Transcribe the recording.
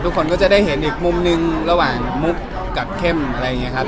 ก็จะได้เห็นอีกมุมนึงระหว่างมุกกับเข้มอะไรอย่างนี้ครับ